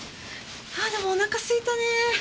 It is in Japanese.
ああでもお腹すいたねえ。